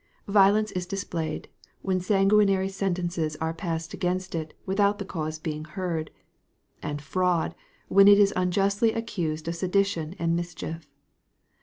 Violence is displayed, when sanguinary sentences are passed against it without the cause being heard; and fraud, when it is unjustly accused of sedition and mischief.